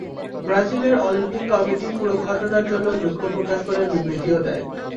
ব্রাজিলের Olympic committee পুরো ঘটনার জন্য দুঃখ প্রকাশ করে বিবৃতিও দেয়।